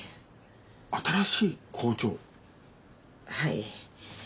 はい。